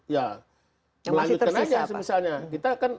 yang masih tersisa apa